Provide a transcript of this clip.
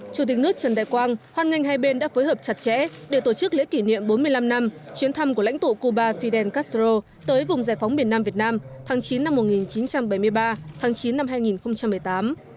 chủ tịch nước trần đại quang hoan nghênh hai bên đã phối hợp chặt chẽ để tổ chức lễ kỷ niệm bốn mươi năm năm chuyến thăm của lãnh tụ cuba fidel castro tới vùng giải phóng miền nam việt nam tháng chín năm một nghìn chín trăm bảy mươi ba tháng chín năm hai nghìn một mươi tám